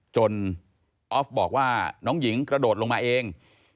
ออฟบอกว่าน้องหญิงกระโดดลงมาเอง